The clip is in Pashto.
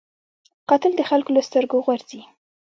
قاتل د خلکو له سترګو غورځي